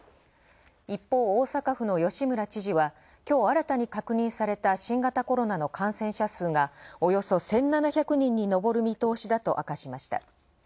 一方、大阪府の吉村知事は今日、新たに確認された新型コロナの感染者数がおよそ１７００人に上る見通しだと明かしました。